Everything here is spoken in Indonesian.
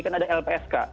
kan ada lpsk